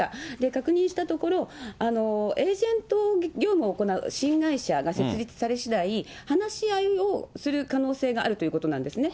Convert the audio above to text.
確認したところ、エージェント業務を行う新会社が設立されしだい、話し合いをする可能性があるということなんですね。